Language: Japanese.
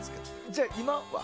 じゃあ、今は？